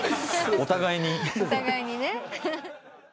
お互いにね。